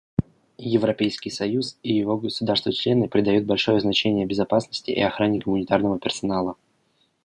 Европейский союз и его государства-члены придают большое значение безопасности и охране гуманитарного персонала.